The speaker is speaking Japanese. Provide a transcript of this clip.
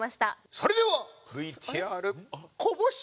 それではＶＴＲ。